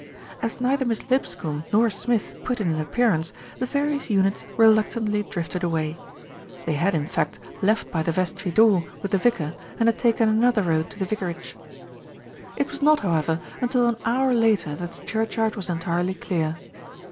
As neither Miss Lipscombe nor Smith put in an ap pearance, the various units reluctantly drifted away. They had in fact left by the vestry door with the vicar, and had taken another road to the vicarage. 170 THE RETURN OF ALFRED It was not, however, until an hour later that the churchyard was entirely clear.